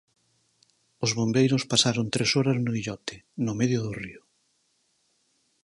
Os bombeiros pasaron tres horas no illote, no medio do río.